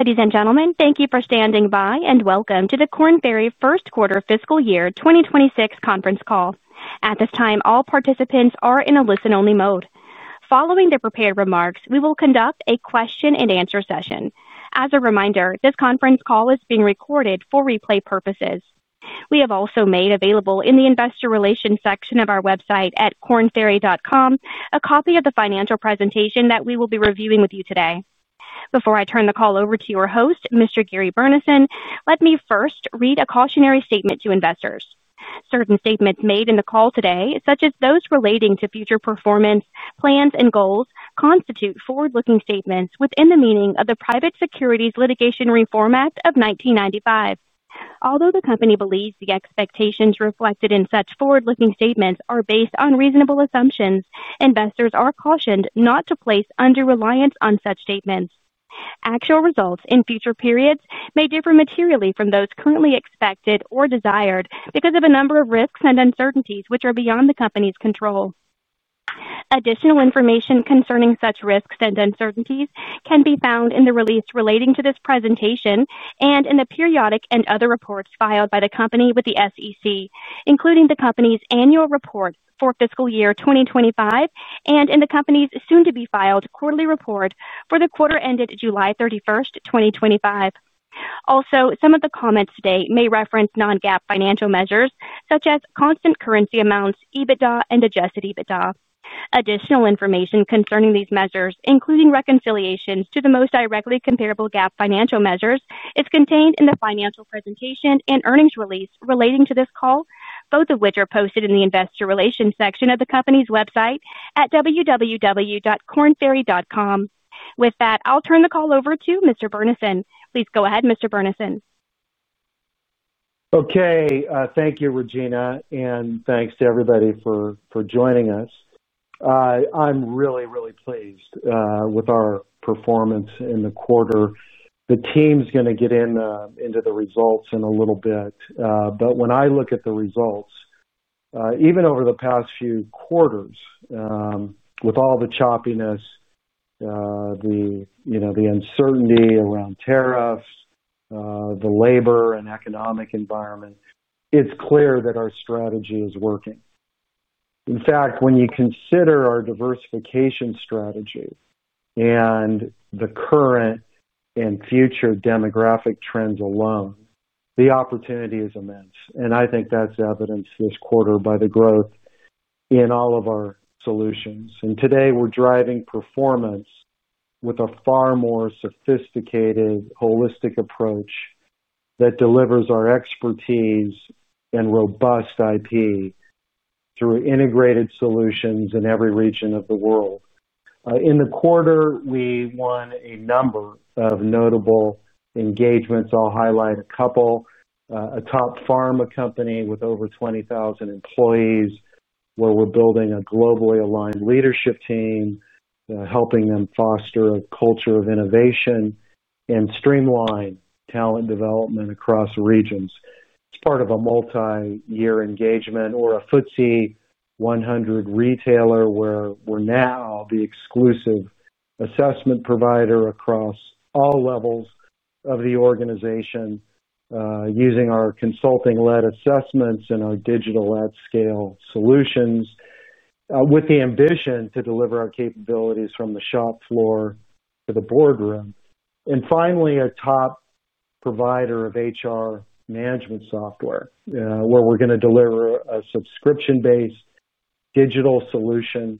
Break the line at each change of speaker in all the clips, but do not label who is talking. Ladies and gentlemen, thank you for standing by and welcome to the Korn Ferry first quarter fiscal year 2026 conference call. At this time, all participants are in a listen-only mode. Following the prepared remarks, we will conduct a question and answer session. As a reminder, this conference call is being recorded for replay purposes. We have also made available in the investor relations section of our website at kornferry.com a copy of the financial presentation that we will be reviewing with you today. Before I turn the call over to your host, Mr. Gary Burnison, let me first read a cautionary statement to investors. Certain statements made in the call today, such as those relating to future performance, plans, and goals, constitute forward-looking statements within the meaning of the Private Securities Litigation Reform Act of 1995. Although the company believes the expectations reflected in such forward-looking statements are based on reasonable assumptions, investors are cautioned not to place undue reliance on such statements. Actual results in future periods may differ materially from those currently expected or desired because of a number of risks and uncertainties which are beyond the company's control. Additional information concerning such risks and uncertainties can be found in the release relating to this presentation and in the periodic and other reports filed by the company with the SEC, including the company's annual report for fiscal year 2025 and in the company's soon-to-be filed quarterly report for the quarter ended July 31, 2025. Also, some of the comments today may reference non-GAAP financial measures such as constant currency amounts, EBITDA, and adjusted EBITDA. Additional information concerning these measures, including reconciliations to the most directly comparable GAAP financial measures, is contained in the financial presentation and earnings release relating to this call, both of which are posted in the investor relations section of the company's website at www.kornferry.com. With that, I'll turn the call over to Mr. Burnison. Please go ahead, Mr. Burnison.
Okay, thank you, Regina, and thanks to everybody for joining us. I'm really, really pleased with our performance in the quarter. The team's going to get into the results in a little bit, but when I look at the results, even over the past few quarters, with all the choppiness, the uncertainty around tariffs, the labor and economic environment, it's clear that our strategy is working. In fact, when you consider our diversification strategy and the current and future demographic trends alone, the opportunity is immense. I think that's evidenced this quarter by the growth in all of our solutions. Today, we're driving performance with a far more sophisticated, holistic approach that delivers our expertise and robust IP through integrated solutions in every region of the world. In the quarter, we won a number of notable engagements. I'll highlight a couple. A top pharma company with over 20,000 employees, where we're building a globally aligned leadership team, helping them foster a culture of innovation and streamline talent development across regions. It's part of a multi-year engagement. We're a FTSE 100 retailer where we're now the exclusive assessment provider across all levels of the organization, using our consulting-led assessments and our digital at-scale solutions, with the ambition to deliver our capabilities from the shop floor to the boardroom. Finally, a top provider of HR management software, where we're going to deliver a subscription-based digital solution,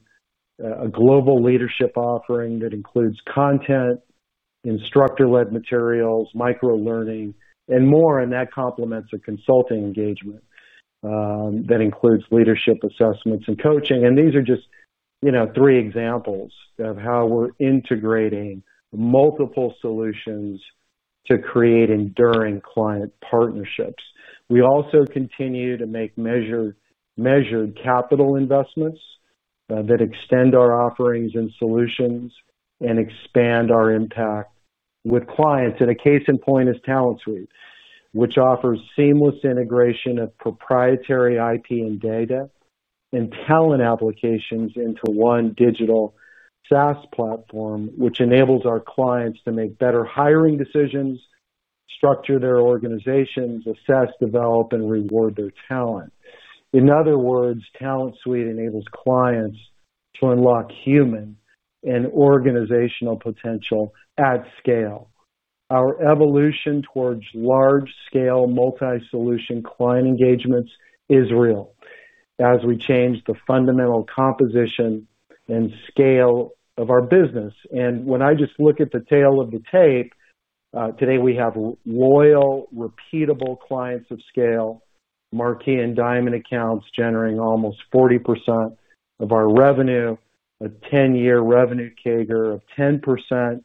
a global leadership offering that includes content, instructor-led materials, micro-learning, and more. That complements a consulting engagement that includes leadership assessments and coaching. These are just three examples of how we're integrating multiple solutions to create enduring client partnerships. We also continue to make measured capital investments that extend our offerings and solutions and expand our impact with clients. A case in point is TalentSuite, which offers seamless integration of proprietary IP and data and talent applications into one digital SaaS platform, which enables our clients to make better hiring decisions, structure their organizations, assess, develop, and reward their talent. In other words, TalentSuite enables clients to unlock human and organizational potential at scale. Our evolution towards large-scale multi-solution client engagements is real as we change the fundamental composition and scale of our business. When I just look at the tail of the tape, today we have loyal, repeatable clients of scale, marquee and diamond accounts generating almost 40% of our revenue, a 10-year revenue CAGR of 10%,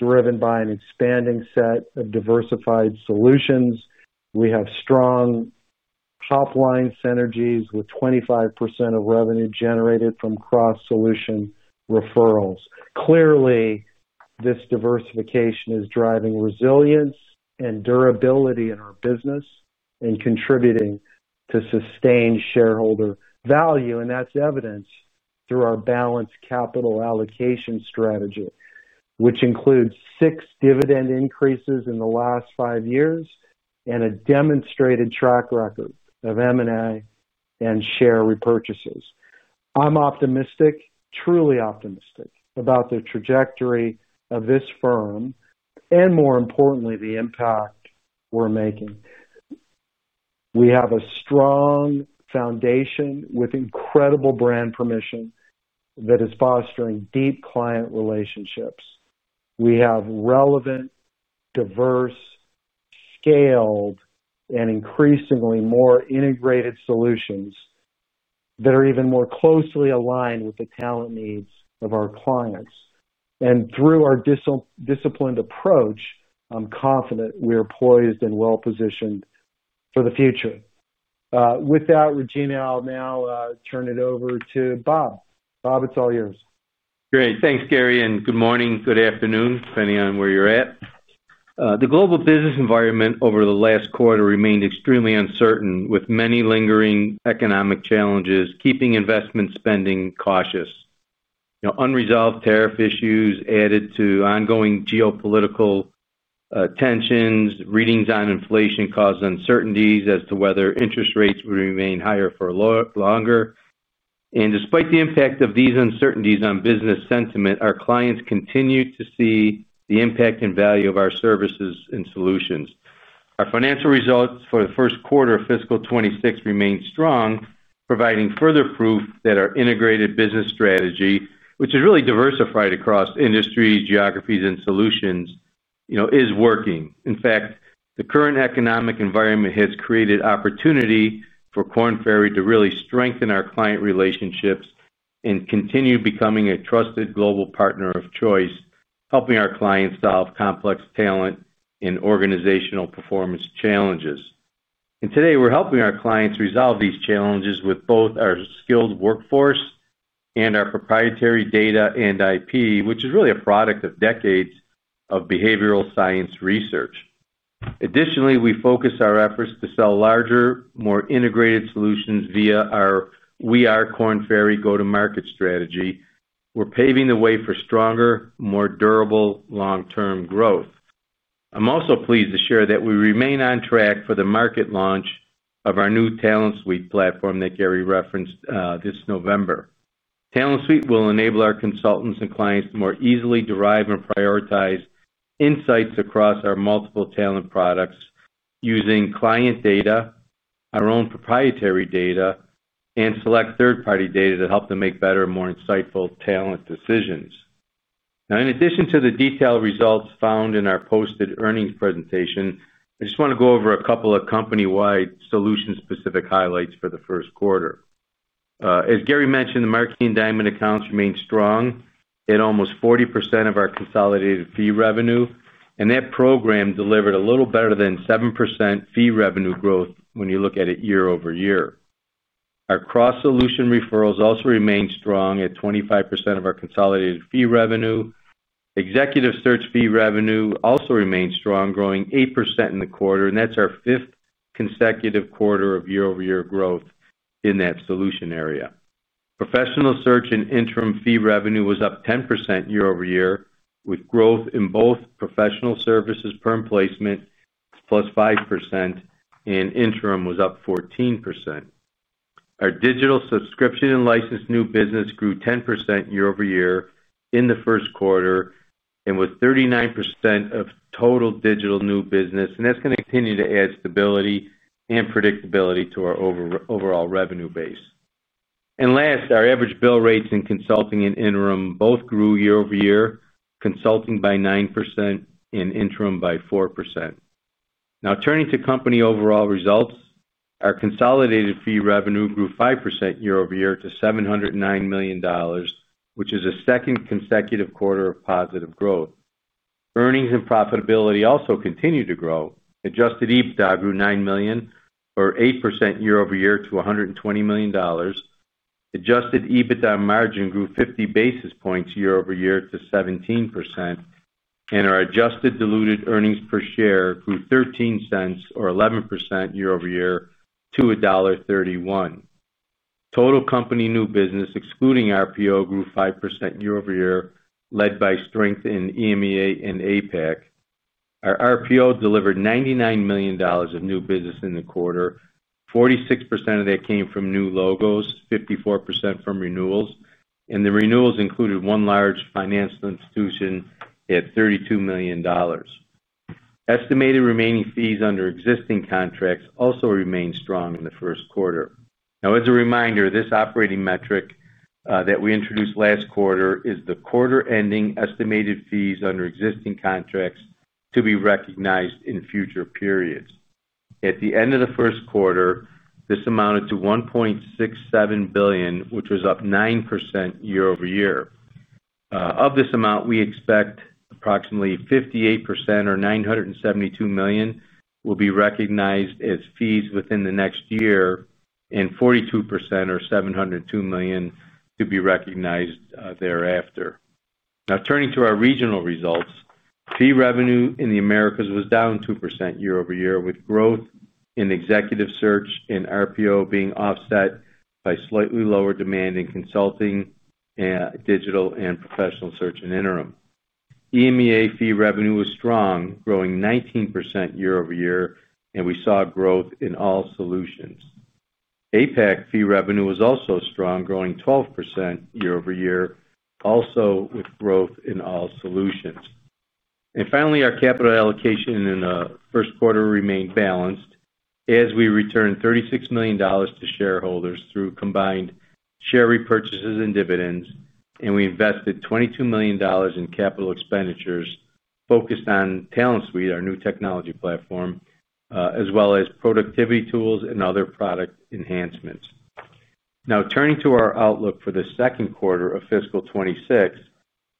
driven by an expanding set of diversified solutions. We have strong top-line synergies with 25% of revenue generated from cross-solution referrals. Clearly, this diversification is driving resilience and durability in our business and contributing to sustained shareholder value. That is evidenced through our balanced capital allocation strategy, which includes six dividend increases in the last five years and a demonstrated track record of M&A and share repurchases. I am optimistic, truly optimistic about the trajectory of this firm and, more importantly, the impact we are making. We have a strong foundation with incredible brand permission that is fostering deep client relationships. We have relevant, diverse, scaled, and increasingly more integrated solutions that are even more closely aligned with the talent needs of our clients. Through our disciplined approach, I am confident we are poised and well-positioned for the future. With that, Regina, I will now turn it over to Bob. Bob, it is all yours.
Great, thanks, Gary, and good morning, good afternoon, depending on where you're at. The global business environment over the last quarter remained extremely uncertain, with many lingering economic challenges keeping investment spending cautious. Unresolved tariff issues added to ongoing geopolitical tensions, readings on inflation caused uncertainties as to whether interest rates would remain higher for longer. Despite the impact of these uncertainties on business sentiment, our clients continue to see the impact and value of our services and solutions. Our financial results for the first quarter of fiscal 2026 remained strong, providing further proof that our integrated business strategy, which is really diversified across industries, geographies, and solutions, is working. In fact, the current economic environment has created opportunity for Korn Ferry to really strengthen our client relationships and continue becoming a trusted global partner of choice, helping our clients solve complex talent and organizational performance challenges. Today, we're helping our clients resolve these challenges with both our skilled workforce and our proprietary data and IP, which is really a product of decades of behavioral science research. Additionally, we focus our efforts to sell larger, more integrated solutions via our We Are Korn Ferry go-to-market strategy. We're paving the way for stronger, more durable long-term growth. I'm also pleased to share that we remain on track for the market launch of our new TalentSuite platform that Gary referenced this November. TalentSuite will enable our consultants and clients to more easily derive and prioritize insights across our multiple talent products using client data, our own proprietary data, and select third-party data to help them make better, more insightful talent decisions. In addition to the detailed results found in our posted earnings presentation, I just want to go over a couple of company-wide solution-specific highlights for the first quarter. As Gary mentioned, the marketing diamond accounts remain strong at almost 40% of our consolidated fee revenue, and that program delivered a little better than 7% fee revenue growth when you look at it year over year. Our cross-solution referrals also remain strong at 25% of our consolidated fee revenue. Executive Search fee revenue also remains strong, growing 8% in the quarter, and that's our fifth consecutive quarter of year-over-year growth in that solution area. Professional Search and Interim fee revenue was up 10% year over year, with growth in both professional services per employee plus 5%, and Interim was up 14%. Our digital subscription and licensed new business grew 10% year over year in the first quarter, with 39% of total digital new business, and that's going to continue to add stability and predictability to our overall revenue base. Last, our average bill rates in Consulting and Interim both grew year over year, Consulting by 9% and Interim by 4%. Now, turning to company overall results, our consolidated fee revenue grew 5% year over year to $709 million, which is a second consecutive quarter of positive growth. Earnings and profitability also continue to grow. Adjusted EBITDA grew $9 million, or 8% year over year to $120 million. Adjusted EBITDA margin grew 50 basis points year over year to 17%, and our adjusted diluted earnings per share grew $0.13, or 11% year over year to $1.31. Total company new business, excluding RPO, grew 5% year over year, led by strength in EMEA and APAC. Our RPO delivered $99 million of new business in the quarter. 46% of that came from new logos, 54% from renewals, and the renewals included one large financial institution at $32 million. Estimated remaining fees under existing contracts also remained strong in the first quarter. As a reminder, this operating metric that we introduced last quarter is the quarter-ending estimated fees under existing contracts to be recognized in future periods. At the end of the first quarter, this amounted to $1.67 billion, which was up 9% year over year. Of this amount, we expect approximately 58%, or $972 million, will be recognized as fees within the next year, and 42%, or $702 million, to be recognized thereafter. Now, turning to our regional results, fee revenue in the Americas was down 2% year over year, with growth in Executive Search and RPO being offset by slightly lower demand in Consulting, Digital, and Professional Search and Interim. EMEA fee revenue was strong, growing 19% year over year, and we saw growth in all solutions. APAC fee revenue was also strong, growing 12% year over year, also with growth in all solutions. Our capital allocation in the first quarter remained balanced as we returned $36 million to shareholders through combined share repurchases and dividends, and we invested $22 million in capital expenditures focused on TalentSuite, our new technology platform, as well as productivity tools and other product enhancements. Now, turning to our outlook for the second quarter of fiscal 2026,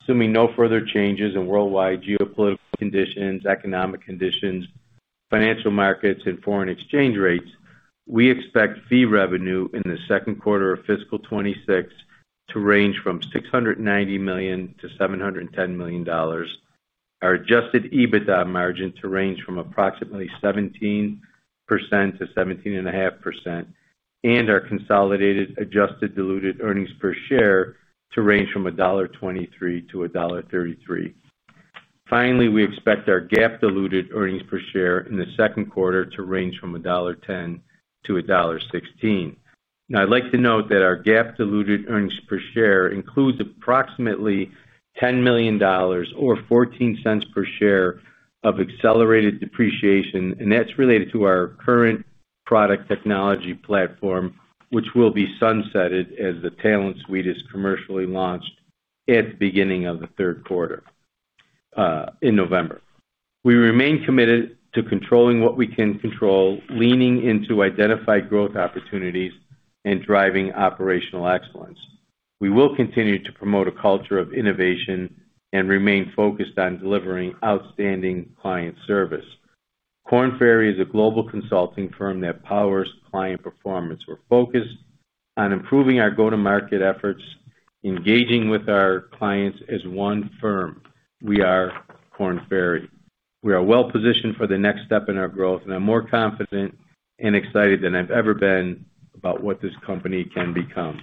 assuming no further changes in worldwide geopolitical conditions, economic conditions, financial markets, and foreign exchange rates, we expect fee revenue in the second quarter of fiscal 2026 to range from $690 million to $710 million. Our adjusted EBITDA margin is expected to range from approximately 17% to 17.5%, and our consolidated adjusted diluted earnings per share to range from $1.23 to $1.33. We expect our GAAP diluted earnings per share in the second quarter to range from $1.10 to $1.16. Our GAAP diluted earnings per share includes approximately $10 million, or $0.14 per share, of accelerated depreciation, and that's related to our current product technology platform, which will be sunsetted as TalentSuite is commercially launched at the beginning of the third quarter in November. We remain committed to controlling what we can control, leaning into identified growth opportunities, and driving operational excellence. We will continue to promote a culture of innovation and remain focused on delivering outstanding client service. Korn Ferry is a global consulting firm that powers client performance. We're focused on improving our go-to-market efforts, engaging with our clients as one firm. We are Korn Ferry. We are well-positioned for the next step in our growth, and I'm more confident and excited than I've ever been about what this company can become.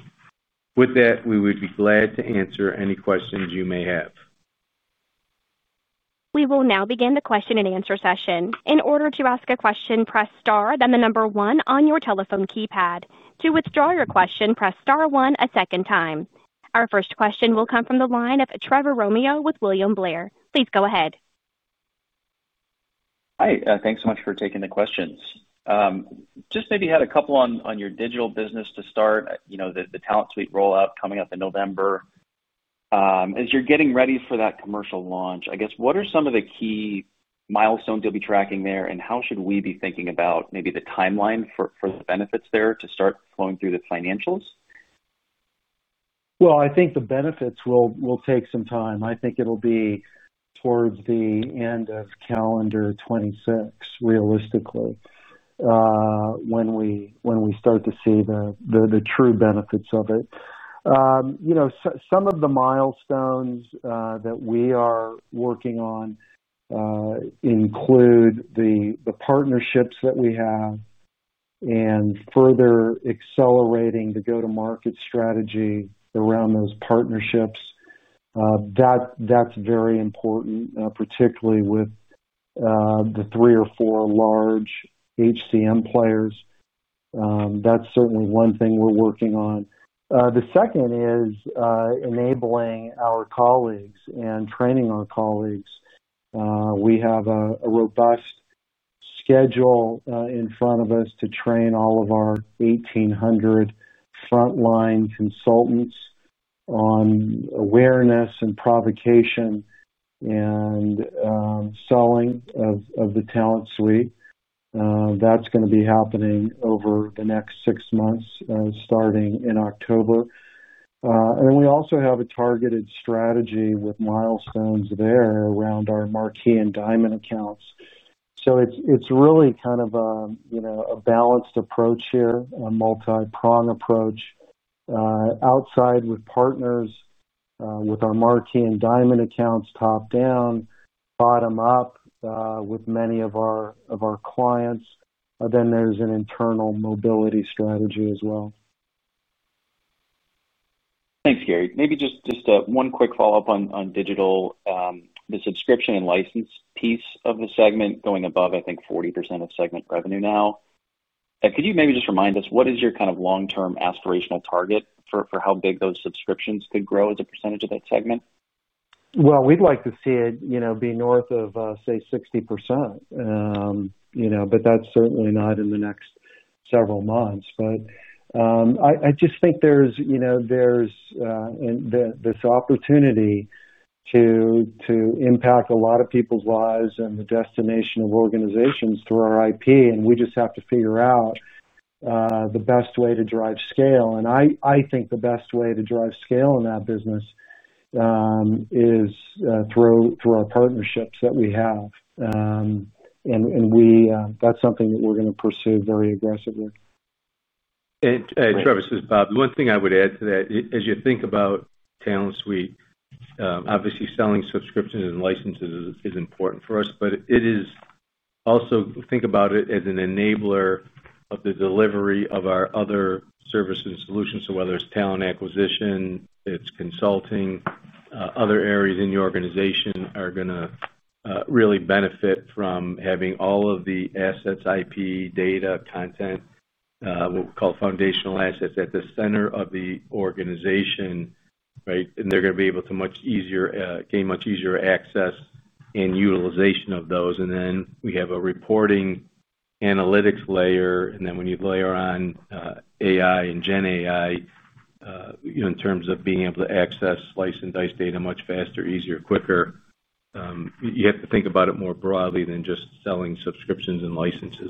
With that, we would be glad to answer any questions you may have.
We will now begin the question and answer session. In order to ask a question, press star then the number one on your telephone keypad. To withdraw your question, press star one a second time. Our first question will come from the line of Trevor Romeo with William Blair. Please go ahead.
Hi, thanks so much for taking the questions. Just maybe had a couple on your digital business to start, you know, the TalentSuite rollout coming up in November. As you're getting ready for that commercial launch, I guess what are some of the key milestones you'll be tracking there, and how should we be thinking about maybe the timeline for the benefits there to start going through the financials?
I think the benefits will take some time. I think it'll be towards the end of calendar 2026, realistically, when we start to see the true benefits of it. Some of the milestones that we are working on include the partnerships that we have and further accelerating the go-to-market strategy around those partnerships. That's very important, particularly with the three or four large HCM players. That's certainly one thing we're working on. The second is enabling our colleagues and training our colleagues. We have a robust schedule in front of us to train all of our 1,800 frontline consultants on awareness and provocation and selling of the TalentSuite. That's going to be happening over the next six months, starting in October. We also have a targeted strategy with milestones there around our marquee and diamond accounts. It's really kind of a balanced approach here, a multi-prong approach. Outside with partners, with our marquee and diamond accounts top down, bottom up with many of our clients, then there's an internal mobility strategy as well.
Thanks, Gary. Maybe just one quick follow-up on Digital, the subscription and license piece of the segment going above, I think, 40% of segment revenue now. Could you maybe just remind us what is your kind of long-term aspirational target for how big those subscriptions could grow as a % of that segment?
We'd like to see it, you know, be north of, say, 60%. That's certainly not in the next several months. I just think there's this opportunity to impact a lot of people's lives and the destination of organizations through our IP, and we just have to figure out the best way to drive scale. I think the best way to drive scale in that business is through our partnerships that we have. That's something that we're going to pursue very aggressively.
Travis, this is Bob. The one thing I would add to that, as you think about TalentSuite, obviously selling subscriptions and licenses is important for us, but it is also think about it as an enabler of the delivery of our other services and solutions. Whether it's talent acquisition, it's consulting, other areas in your organization are going to really benefit from having all of the assets, IP, data, content, what we call foundational assets at the center of the organization, right? They're going to be able to much easier gain much easier access and utilization of those. We have a reporting analytics layer, and when you layer on AI and GenAI, in terms of being able to access, slice and dice data much faster, easier, quicker, you have to think about it more broadly than just selling subscriptions and licenses.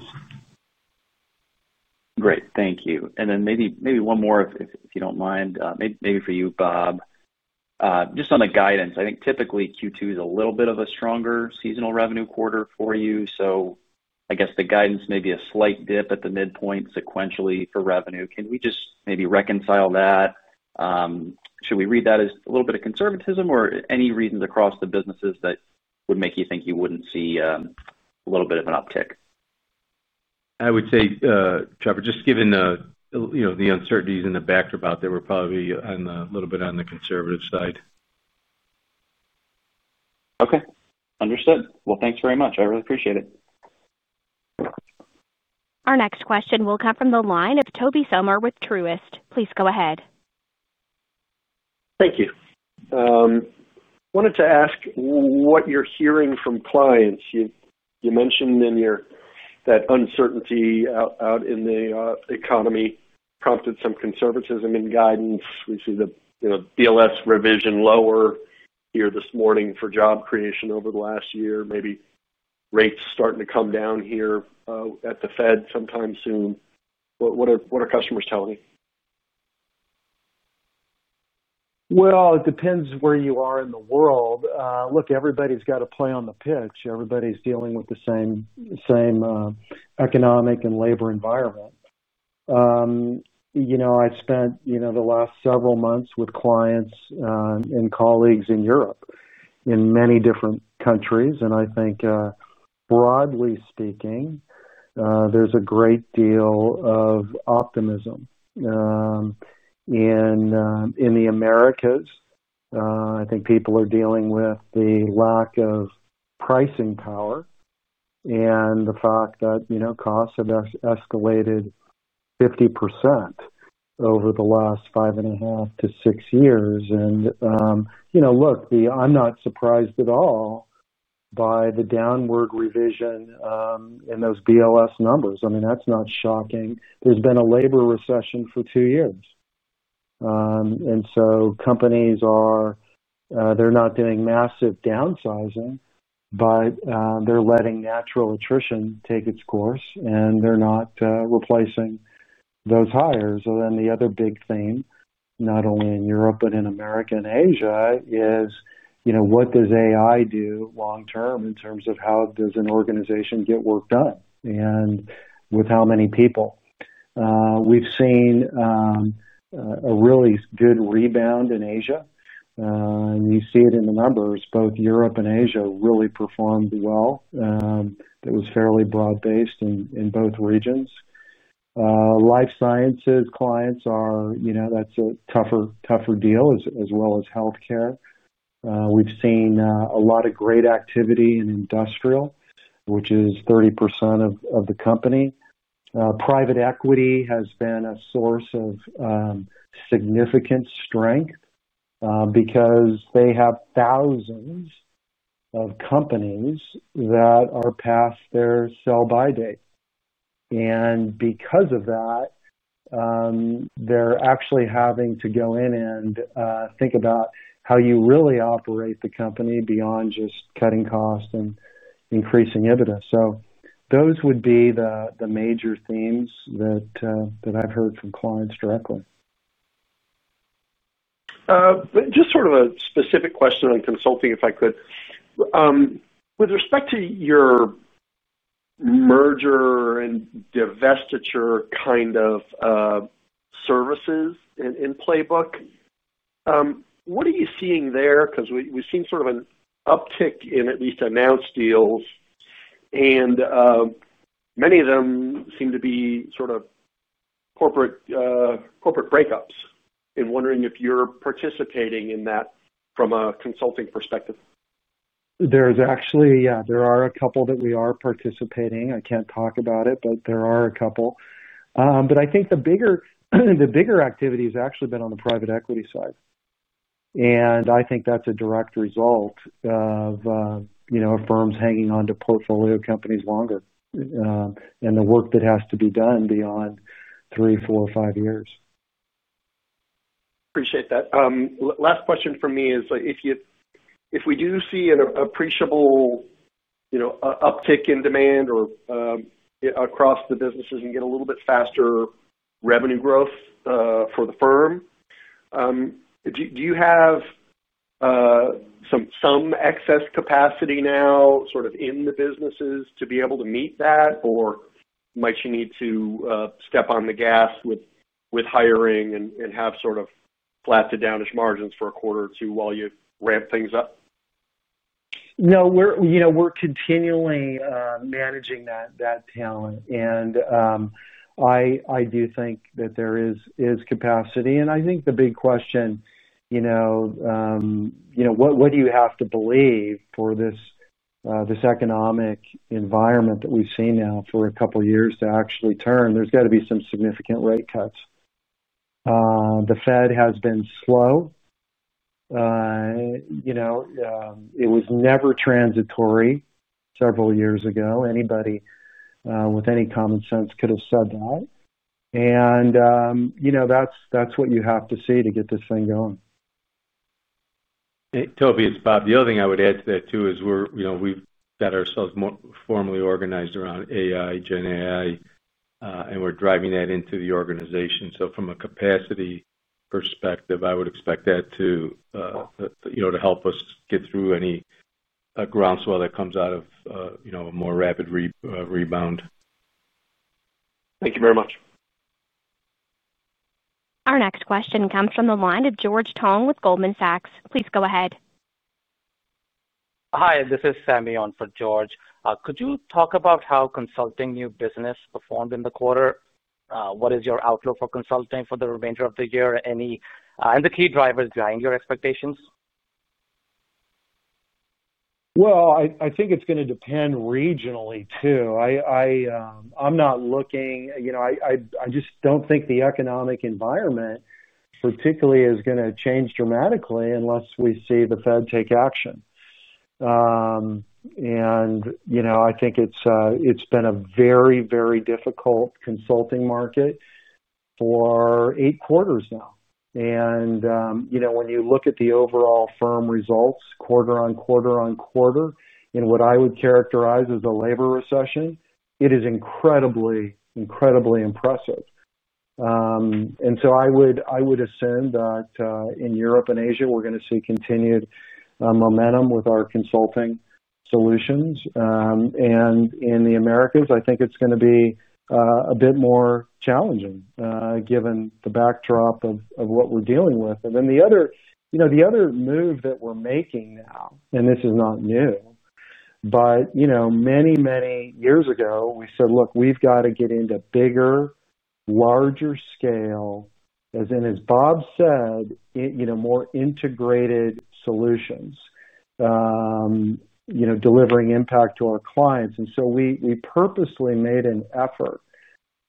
Great, thank you. Maybe one more, if you don't mind, maybe for you, Bob, just on the guidance. I think typically Q2 is a little bit of a stronger seasonal revenue quarter for you. I guess the guidance may be a slight dip at the midpoint sequentially for revenue. Can we just maybe reconcile that? Should we read that as a little bit of conservatism or any reasons across the businesses that would make you think you wouldn't see a little bit of an uptick?
I would say, Trevor, just given the uncertainties and the backdrop out there, we're probably a little bit on the conservative side.
Okay, understood. Thanks very much. I really appreciate it.
Our next question will come from the line of Tobey O'Brien Sommer with Truist Securities. Please go ahead.
Thank you. I wanted to ask what you're hearing from clients. You mentioned in your guidance that uncertainty out in the economy prompted some conservatism in guidance. We see the BLS revision lower here this morning for job creation over the last year. Maybe rates starting to come down here at the Fed sometime soon. What are customers telling you?
It depends where you are in the world. Look, everybody's got to play on the pitch. Everybody's dealing with the same economic and labor environment. I've spent the last several months with clients and colleagues in Europe, in many different countries, and I think, broadly speaking, there's a great deal of optimism in the Americas. I think people are dealing with the lack of pricing power and the fact that costs have escalated 50% over the last five and a half to six years. I'm not surprised at all by the downward revision in those BLS numbers. I mean, that's not shocking. There's been a labor recession for two years. Companies are not doing massive downsizing, but they're letting natural attrition take its course, and they're not replacing those hires. The other big theme, not only in Europe but in America and Asia, is what does AI do long-term in terms of how does an organization get work done and with how many people? We've seen a really good rebound in Asia, and you see it in the numbers. Both Europe and Asia really performed well. It was fairly broad-based in both regions. Life sciences clients are, that's a tougher deal as well as healthcare. We've seen a lot of great activity in industrial, which is 30% of the company. Private equity has been a source of significant strength because they have thousands of companies that are past their sell-by date. Because of that, they're actually having to go in and think about how you really operate the company beyond just cutting costs and increasing EBITDA. Those would be the major themes that I've heard from clients directly.
Just sort of a specific question on Consulting, if I could. With respect to your merger and divestiture kind of services in Playbook, what are you seeing there? We've seen sort of an uptick in at least announced deals, and many of them seem to be sort of corporate breakups. I'm wondering if you're participating in that from a Consulting perspective.
There are a couple that we are participating in. I can't talk about it, but there are a couple. I think the bigger activity has actually been on the private equity side. I think that's a direct result of firms hanging on to portfolio companies longer and the work that has to be done beyond three, four, or five years.
Appreciate that. Last question for me is, if we do see an appreciable uptick in demand or across the businesses and get a little bit faster revenue growth for the firm, do you have some excess capacity now in the businesses to be able to meet that, or might you need to step on the gas with hiring and have flat to downish margins for a quarter or two while you ramp things up?
No, we're continually managing that talent. I do think that there is capacity. I think the big question is, what do you have to believe for this economic environment that we've seen now for a couple of years to actually turn? There's got to be some significant rate cuts. The Fed has been slow. It was never transitory several years ago. Anybody with any common sense could have said that. That's what you have to see to get this thing going.
Hey, Toby, it's Bob. The other thing I would add to that is we've got ourselves more formally organized around AI, GenAI, and we're driving that into the organization. From a capacity perspective, I would expect that to help us get through any groundswell that comes out of a more rapid rebound.
Thank you very much.
Our next question comes from the line of George Tong with Goldman Sachs Group. Please go ahead.
Hi, this is Sammy on for George. Could you talk about how Consulting new business performed in the quarter? What is your outlook for Consulting for the remainder of the year? Any key drivers driving your expectations?
I think it's going to depend regionally too. I'm not looking, you know, I just don't think the economic environment particularly is going to change dramatically unless we see the Fed take action. I think it's been a very, very difficult consulting market for eight quarters now. When you look at the overall firm results quarter on quarter on quarter in what I would characterize as a labor recession, it is incredibly, incredibly impressive. I would assume that in Europe and Asia, we're going to see continued momentum with our consulting solutions. In the Americas, I think it's going to be a bit more challenging given the backdrop of what we're dealing with. The other move that we're making now, and this is not new, but many, many years ago, we said, look, we've got to get into bigger, larger scale, as in, as Bob Rozek said, more integrated solutions, delivering impact to our clients. We purposely made an effort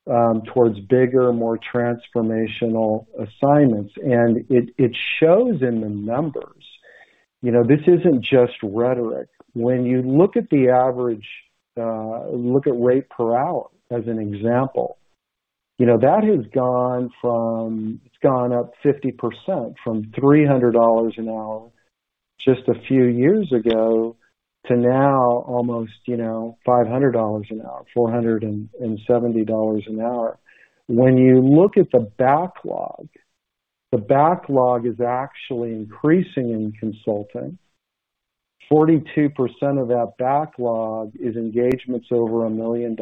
towards bigger, more transformational assignments. It shows in the numbers, this isn't just rhetoric. When you look at the average, look at rate per hour as an example, that has gone up 50% from $300 an hour just a few years ago to now almost $500 an hour, $470 an hour. When you look at the backlog, the backlog is actually increasing in consulting. 42% of that backlog is engagements over $1 million.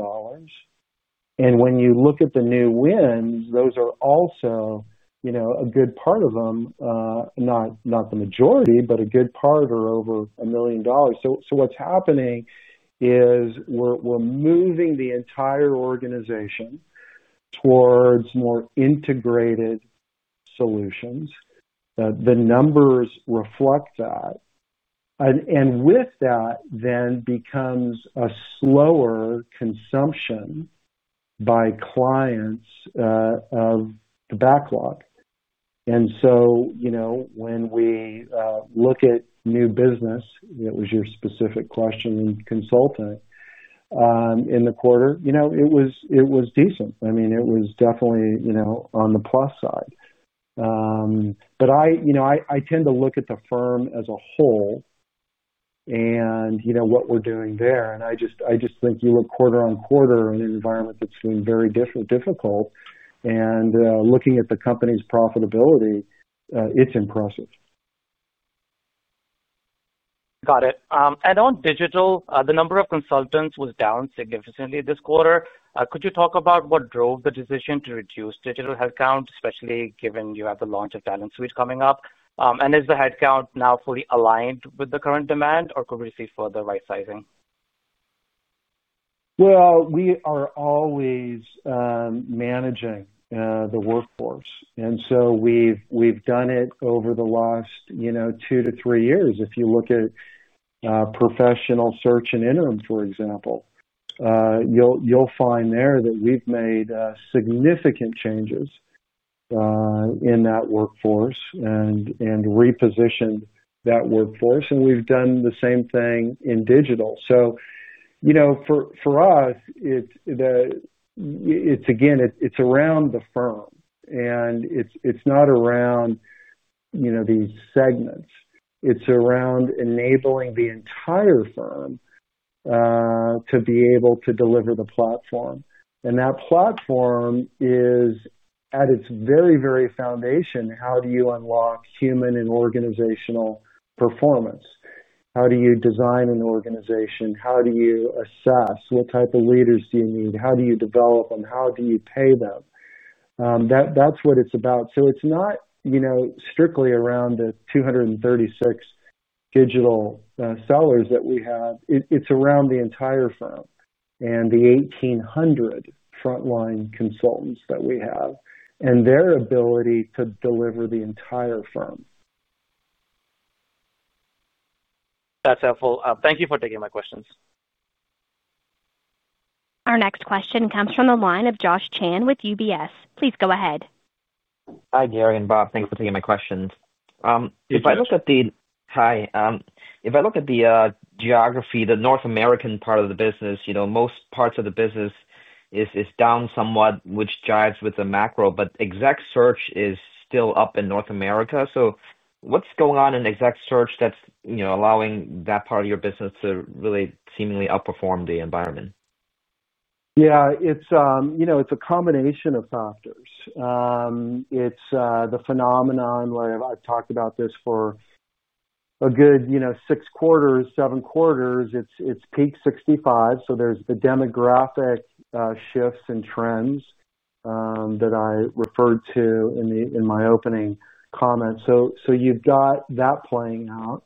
When you look at the new wins, those are also, a good part of them, not the majority, but a good part are over $1 million. What's happening is we're moving the entire organization towards more integrated solutions. The numbers reflect that. With that, then becomes a slower consumption by clients of the backlog. When we look at new business, it was your specific question in consulting in the quarter, it was decent. I mean, it was definitely on the plus side. I tend to look at the firm as a whole and what we're doing there. I just think you look quarter on quarter in an environment that's been very difficult. Looking at the company's profitability, it's impressive.
Got it. On digital, the number of consultants was down significantly this quarter. Could you talk about what drove the decision to reduce digital headcount, especially given you have the launch of TalentSuite coming up? Is the headcount now fully aligned with the current demand, or could we see further right sizing?
We are always managing the workforce, and we've done it over the last, you know, two to three years. If you look at Professional Search and Interim Solutions, for example, you'll find there that we've made significant changes in that workforce and repositioned that workforce. We've done the same thing in Digital Solutions. For us, it's again, it's around the firm, and it's not around, you know, these segments. It's around enabling the entire firm to be able to deliver the platform. That platform is at its very, very foundation. How do you unlock human and organizational performance? How do you design an organization? How do you assess what type of leaders do you need? How do you develop them? How do you pay them? That's what it's about. It's not, you know, strictly around the 236 digital sellers that we have. It's around the entire firm and the 1,800 frontline consultants that we have and their ability to deliver the entire firm.
That's helpful. Thank you for taking my questions.
Our next question comes from the line of Joshua K. Chan with UBS Investment Bank. Please go ahead.
Hi, Gary and Bob. Thanks for taking my questions. If I look at the geography, the North American part of the business, most parts of the business are down somewhat, which jives with the macro, but Executive Search is still up in North America. What's going on in Executive Search that's allowing that part of your business to really seemingly outperform the environment?
Yeah, it's a combination of factors. It's the phenomenon where I've talked about this for a good six quarters, seven quarters. It's peak 65. There are the demographic shifts and trends that I referred to in my opening comment. You've got that playing out.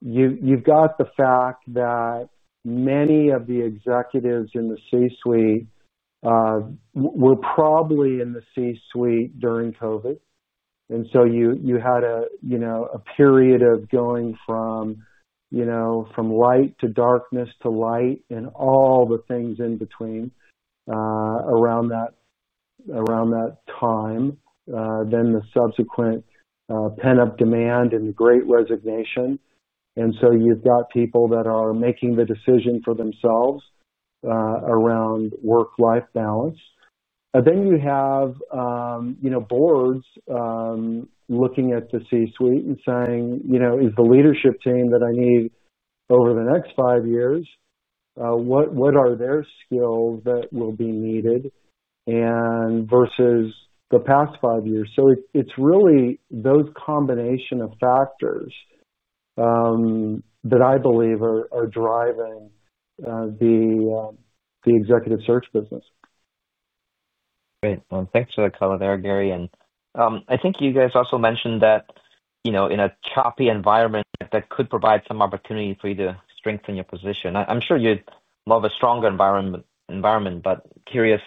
You've got the fact that many of the executives in the C-suite were probably in the C-suite during COVID. You had a period of going from light to darkness to light and all the things in between around that time, then the subsequent pent-up demand and the great resignation. You've got people that are making the decision for themselves around work-life balance. You have boards looking at the C-suite and saying, is the leadership team that I need over the next five years, what are their skills that will be needed versus the past five years? It's really those combinations of factors that I believe are driving the executive search business.
Great. Thanks for the cover there, Gary. I think you guys also mentioned that, you know, in a choppy environment, that could provide some opportunity for you to strengthen your position. I'm sure you'd love a stronger environment, but curious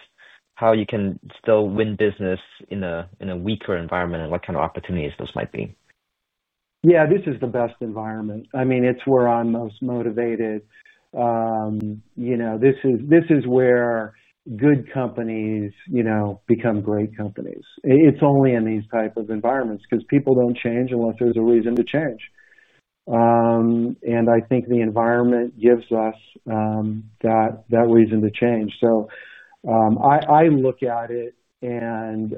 how you can still win business in a weaker environment and what kind of opportunities those might be.
Yeah, this is the best environment. I mean, it's where I'm most motivated. This is where good companies become great companies. It's only in these types of environments because people don't change unless there's a reason to change. I think the environment gives us that reason to change. I look at it and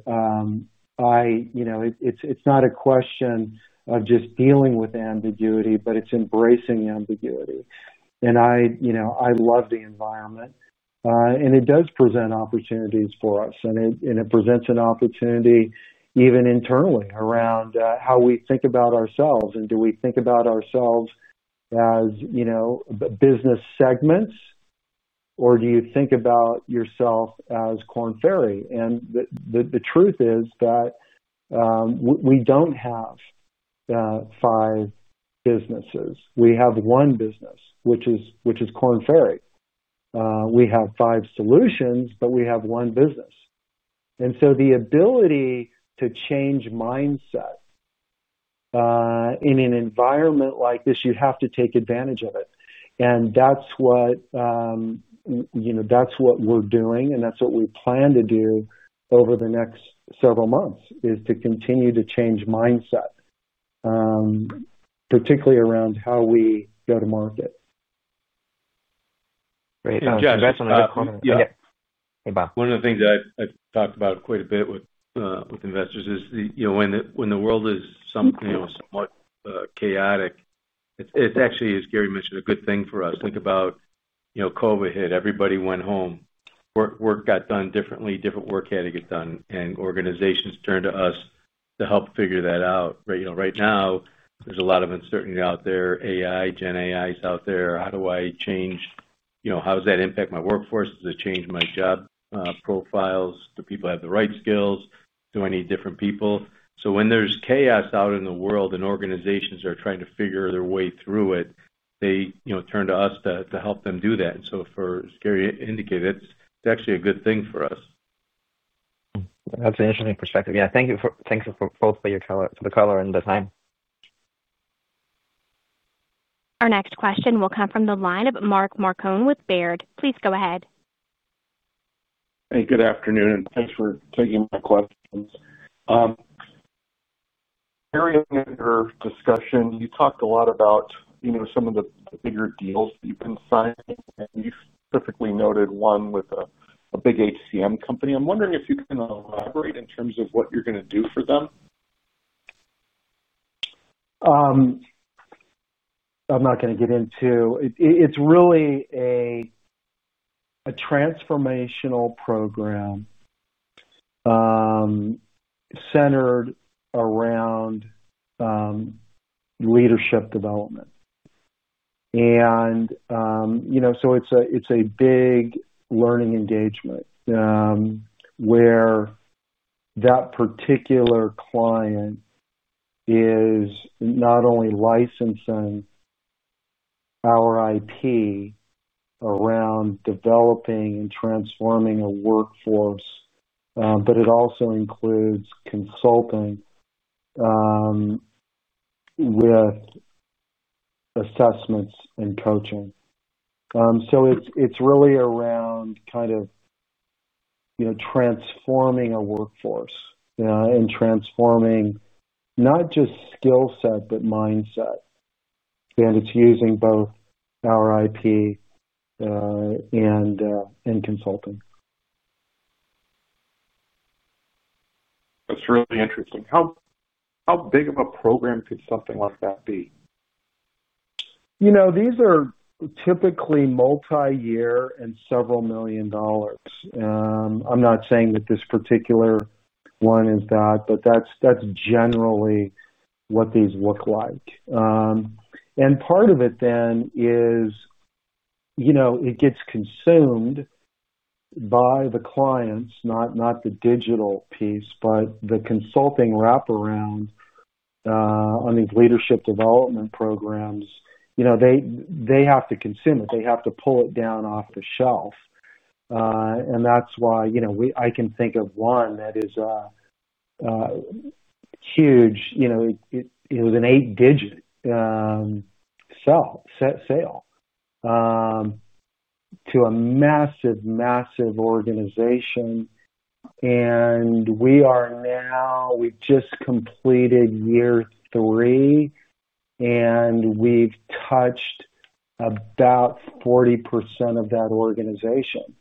it's not a question of just dealing with ambiguity, but it's embracing ambiguity. I love the environment. It does present opportunities for us, and it presents an opportunity even internally around how we think about ourselves. Do we think about ourselves as business segments, or do you think about yourself as Korn Ferry? The truth is that we don't have five businesses. We have one business, which is Korn Ferry. We have five solutions, but we have one business. The ability to change mindset in an environment like this, you have to take advantage of it. That's what we're doing, and that's what we plan to do over the next several months, to continue to change mindset, particularly around how we go to market.
Great, that's a good comment. Yeah, hey, Bob.
One of the things that I've talked about quite a bit with investors is, you know, when the world is somewhat chaotic, it's actually, as Gary mentioned, a good thing for us. Think about, you know, COVID hit, everybody went home. Work got done differently, different work had to get done, and organizations turned to us to help figure that out. Right now, there's a lot of uncertainty out there. AI, GenAI is out there. How do I change, you know, how does that impact my workforce? Does it change my job profiles? Do people have the right skills? Do I need different people? When there's chaos out in the world and organizations are trying to figure their way through it, they, you know, turn to us to help them do that. For Gary indicated, it's actually a good thing for us.
That's an interesting perspective. Thank you both for the color and the time.
Our next question will come from the line of Mark Steven Marcon with Robert W. Baird & Co. Please go ahead.
Hey, good afternoon. Thanks for taking my questions. During your discussion, you talked a lot about some of the bigger deals that you've been signing, and you specifically noted one with a big HCM company. I'm wondering if you can elaborate in terms of what you're going to do for them.
I'm not going to get into it. It's really a transformational program centered around leadership development. It's a big learning engagement where that particular client is not only licensing our IP around developing and transforming a workforce, but it also includes consulting with assessments and coaching. It's really around kind of transforming a workforce and transforming not just skill set, but mindset. It's using both our IP and consulting.
That's really interesting. How big of a program could something like that be?
You know, these are typically multi-year and several million dollars. I'm not saying that this particular one is that, but that's generally what these look like. Part of it then is, you know, it gets consumed by the clients, not the digital piece, but the consulting wraparound on these leadership development programs. They have to consume it. They have to pull it down off the shelf. I can think of one that is a huge, you know, it was an eight-digit sale to a massive, massive organization. We are now, we've just completed year three, and we've touched about 40% of that organization.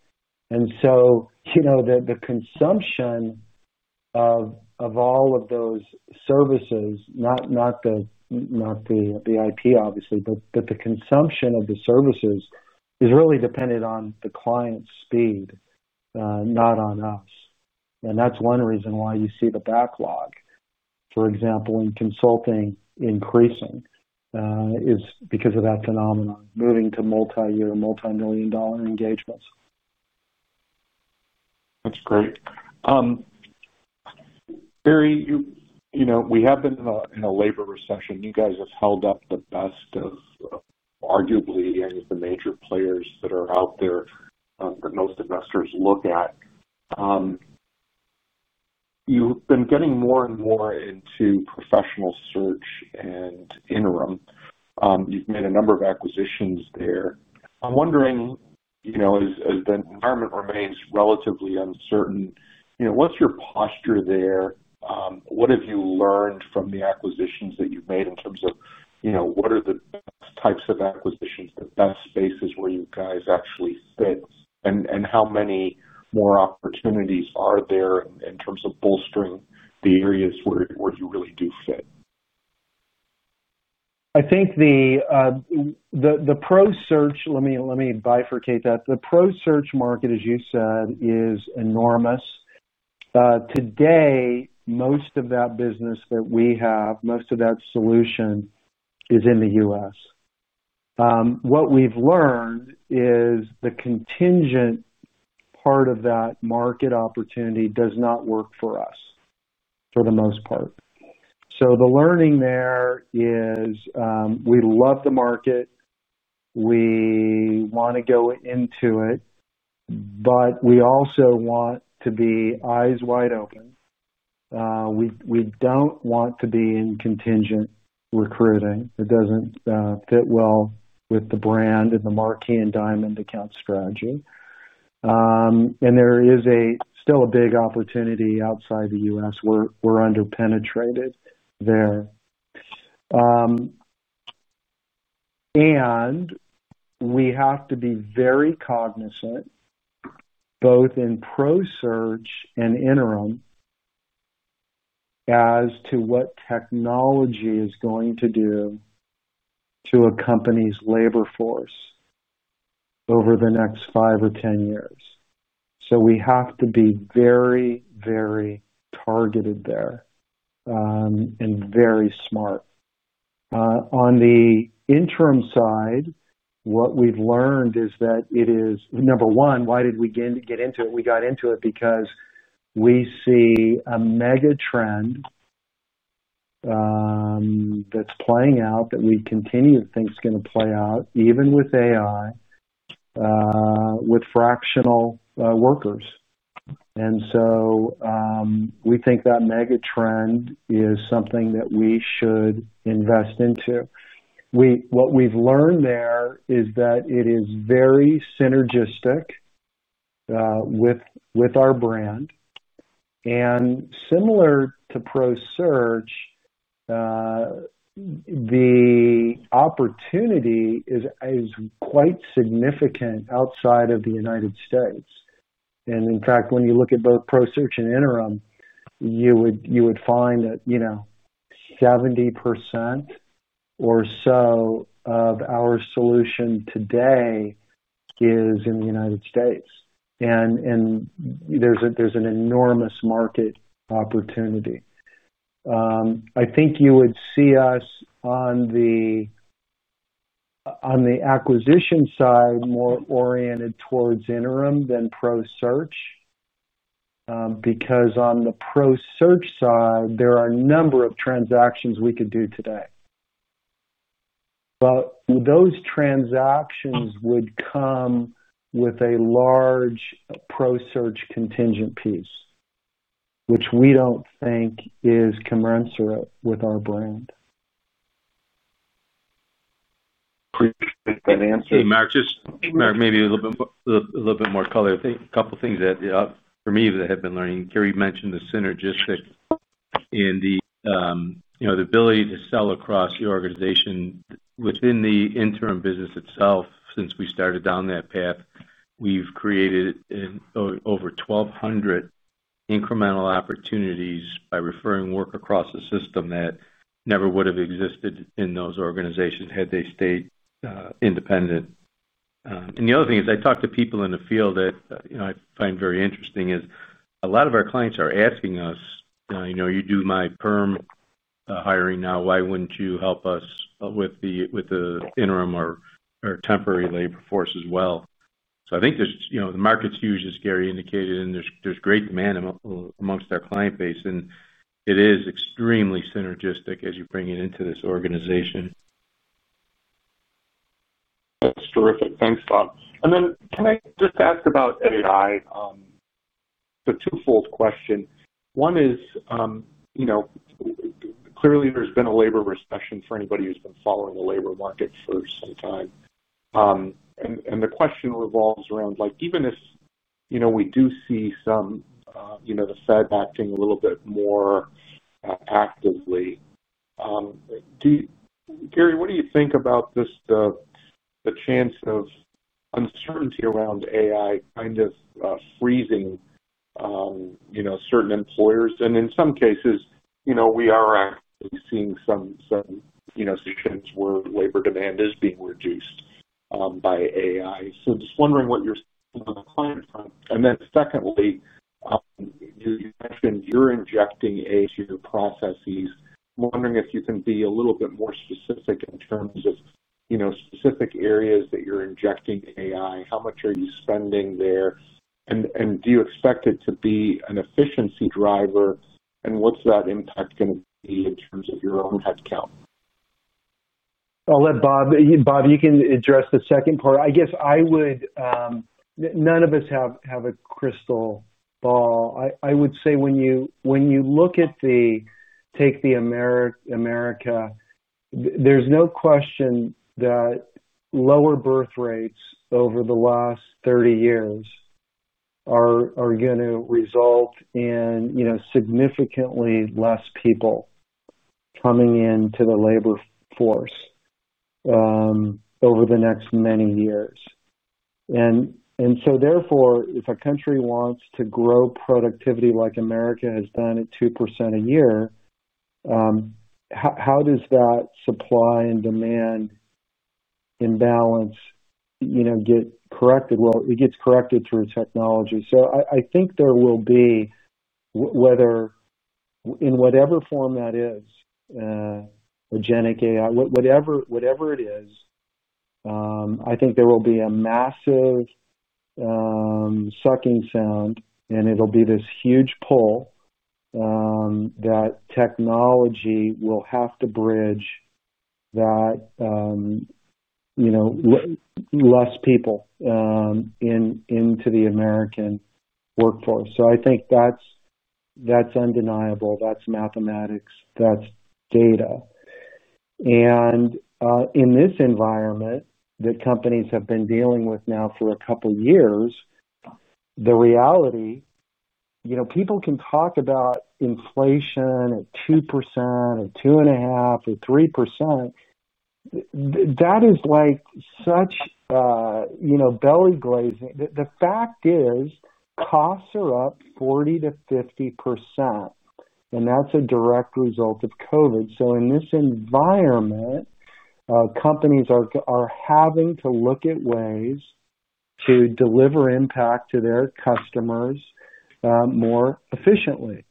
The consumption of all of those services, not the IP, obviously, but the consumption of the services is really dependent on the client's speed, not on us. That's one reason why you see the backlog, for example, in Consulting increasing, is because of that phenomenon, moving to multi-year, multi-million dollar engagements.
That's great. Gary, you know, we have been in a labor recession. You guys have held up the best of arguably any of the major players that are out there that most investors look at. You've been getting more and more into Professional Search and Interim Solutions. You've made a number of acquisitions there. I'm wondering, as the environment remains relatively uncertain, what's your posture there? What have you learned from the acquisitions that you've made in terms of what are the types of acquisitions, the best spaces where you guys actually fit, and how many more opportunities are there in terms of bolstering the areas where you really do fit?
I think the Professional Search, let me bifurcate that. The Professional Search market, as you said, is enormous. Today, most of that business that we have, most of that solution is in the U.S. What we've learned is the contingent part of that market opportunity does not work for us for the most part. The learning there is we love the market. We want to go into it, but we also want to be eyes wide open. We don't want to be in contingent recruiting. It doesn't fit well with the brand and the marquee and diamond account strategy. There is still a big opportunity outside the U.S. We're underpenetrated there. We have to be very cognizant both in Professional Search and Interim Solutions as to what technology is going to do to a company's labor force over the next five or ten years. We have to be very, very targeted there and very smart. On the Interim Solutions side, what we've learned is that it is, number one, why did we get into it? We got into it because we see a mega trend that's playing out that we continue to think is going to play out even with AI, with fractional workers. We think that mega trend is something that we should invest into. What we've learned there is that it is very synergistic with our brand. Similar to Professional Search, the opportunity is quite significant outside of the United States. In fact, when you look at both Professional Search and Interim Solutions, you would find that 70% or so of our solution today is in the United States. There's an enormous market opportunity. I think you would see us on the acquisition side more oriented towards Interim Solutions than Professional Search because on the Professional Search side, there are a number of transactions we could do today. Those transactions would come with a large Professional Search contingent piece, which we don't think is commensurate with our brand.
Hey, Mark. Mark, maybe a little bit more color. A couple of things that for me have been learning. Gary mentioned the synergistic and the, you know, the ability to sell across the organization. Within the Interim Solutions business itself, since we started down that path, we've created over 1,200 incremental opportunities by referring work across the system that never would have existed in those organizations had they stayed independent. The other thing is I talk to people in the field that I find very interesting is a lot of our clients are asking us, you know, you do my perm hiring now, why wouldn't you help us with the interim or temporary labor force as well? I think there's, you know, the market's huge, as Gary indicated, and there's great demand amongst our client base. It is extremely synergistic as you bring it into this organization.
That's terrific. Thanks, Bob. Can I just ask about AI? Twofold question. One is, clearly there's been a labor recession for anybody who's been following the labor market for some time. The question revolves around, even if we do see the Fed acting a little bit more actively, Gary, what do you think about just the chance of uncertainty around AI kind of freezing certain employers? In some cases, we are actually seeing some chance where labor demand is being reduced by AI. Just wondering what you're seeing on the client front. Secondly, you mentioned you're injecting AI into your processes. I'm wondering if you can be a little bit more specific in terms of specific areas that you're injecting AI, how much are you spending there, and do you expect it to be an efficiency driver, and what's that impact going to be in terms of your own headcount?
I'll let Bob, you can address the second part. I guess I would, none of us have a crystal ball. I would say when you look at the, take the Americas, there's no question that lower birth rates over the last 30 years are going to result in significantly less people coming into the labor force over the next many years. Therefore, if a country wants to grow productivity like America has done at 2% a year, how does that supply and demand imbalance get corrected? It gets corrected through technology. I think there will be, whether in whatever form that is, or GenAI, whatever it is, I think there will be a massive sucking sound, and it'll be this huge pull that technology will have to bridge that less people into the American workforce. I think that's undeniable. That's mathematics. That's data. In this environment that companies have been dealing with now for a couple of years, the reality, people can talk about inflation at 2% or 2.5% or 3%. That is like such belly glazing. The fact is costs are up 40% to 50%. That's a direct result of COVID. In this environment, companies are having to look at ways to deliver impact to their customers more efficiently.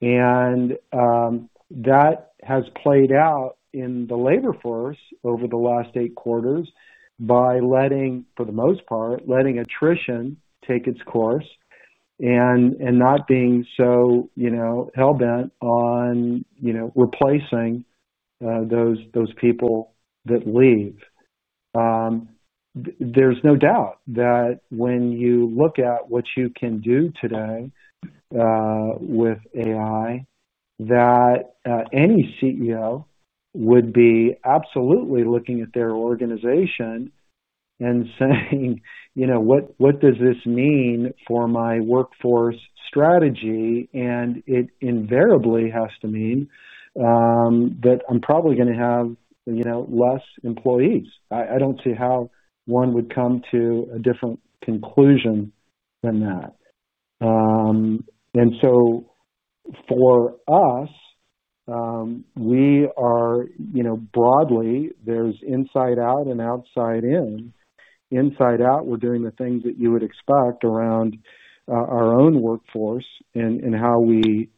That has played out in the labor force over the last eight quarters by letting, for the most part, letting attrition take its course and not being so hell-bent on replacing those people that leave. There's no doubt that when you look at what you can do today with AI, that any CEO would be absolutely looking at their organization and saying, what does this mean for my workforce strategy? It invariably has to mean that I'm probably going to have less employees. I don't see how one would come to a different conclusion than that. For us, we are, broadly, there's inside out and outside in. Inside out, we're doing the things that you would expect around our own workforce and how we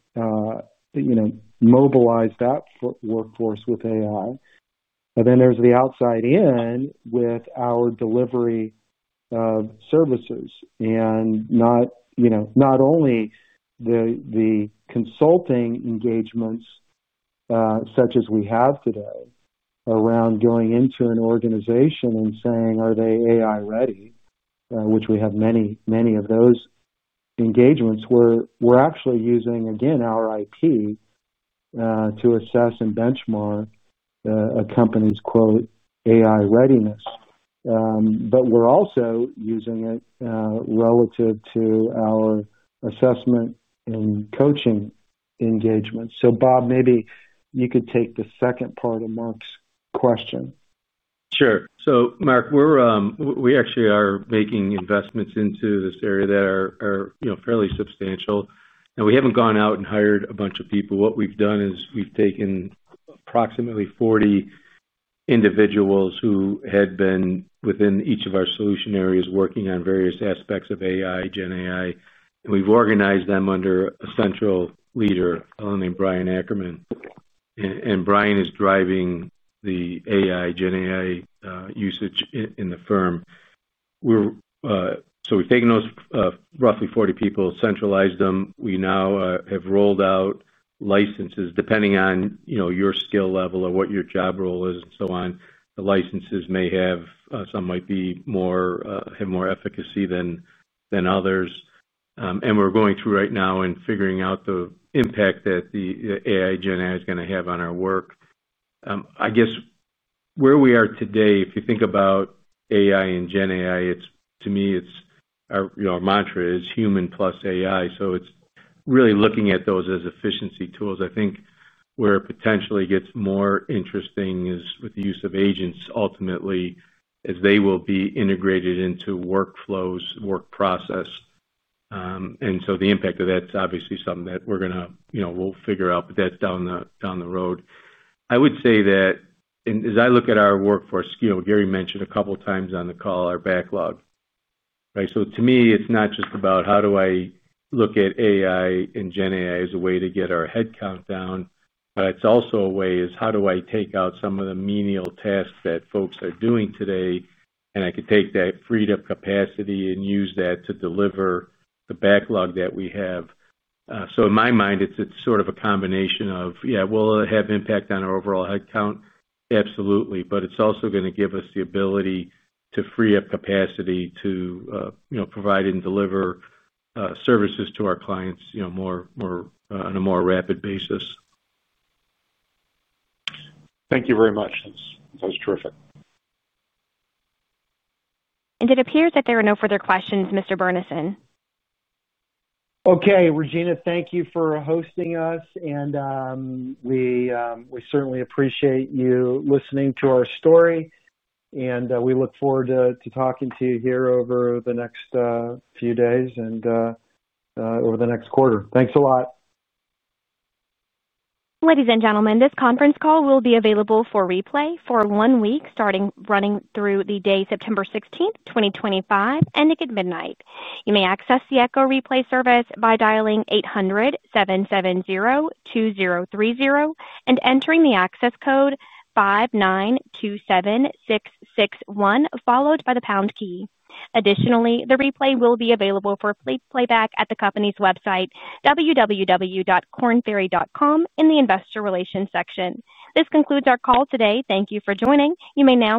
mobilize that workforce with AI. Then there's the outside in with our delivery of services and not only the consulting engagements such as we have today around going into an organization and saying, are they AI ready, which we have many, many of those engagements where we're actually using, again, our IP to assess and benchmark a company's quote, AI readiness. We're also using it relative to our assessment and coaching engagement. So Bob, maybe you could take the second part of Mark's question.
Sure. Mark, we actually are making investments into this area that are fairly substantial. We haven't gone out and hired a bunch of people. What we've done is we've taken approximately 40 individuals who had been within each of our solution areas working on various aspects of AI, GenAI. We've organized them under a central leader called Brian Ackerman. Brian is driving the AI, GenAI usage in the firm. We've taken those roughly 40 people, centralized them. We now have rolled out licenses depending on your skill level or what your job role is and so on. The licenses may have, some might be more, have more efficacy than others. We're going through right now and figuring out the impact that the AI, GenAI is going to have on our work. I guess where we are today, if you think about AI and GenAI, to me, our mantra is human plus AI. It's really looking at those as efficiency tools. I think where it potentially gets more interesting is with the use of agents, ultimately, as they will be integrated into workflows, work process. The impact of that is obviously something that we're going to figure out, but that's down the road. I would say that, as I look at our workforce, Gary mentioned a couple of times on the call our backlog. Right. To me, it's not just about how do I look at AI and GenAI as a way to get our headcount down, but it's also a way as how do I take out some of the menial tasks that folks are doing today, and I could take that freed up capacity and use that to deliver the backlog that we have. In my mind, it's sort of a combination of, yeah, will it have impact on our overall headcount? Absolutely. It's also going to give us the ability to free up capacity to provide and deliver services to our clients on a more rapid basis.
Thank you very much. That was terrific.
It appears that there are no further questions, Mr. Burnison.
Okay, Regina, thank you for hosting us. We certainly appreciate you listening to our story, and we look forward to talking to you here over the next few days and over the next quarter. Thanks a lot.
Ladies and gentlemen, this conference call will be available for replay for one week, starting September 16th, 2025, ending at midnight. You may access the Echo replay service by dialing 800-770-2030 and entering the access code 5927661, followed by the pound key. Additionally, the replay will be available for playback at the company's website, www.kornferry.com, in the investor relations section. This concludes our call today. Thank you for joining. You may now.